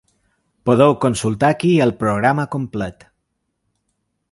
Podeu consultar aquí el programa complet.